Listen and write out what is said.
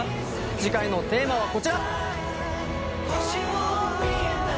次回のテーマはこちら！